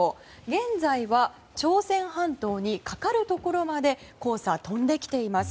現在朝鮮半島にかかるところまで黄砂は飛んできています。